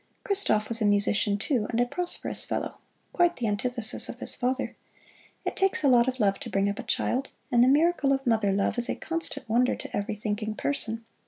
Christoph was a musician, too, and a prosperous fellow quite the antithesis of his father. It takes a lot of love to bring up a child, and the miracle of mother love is a constant wonder to every thinking person.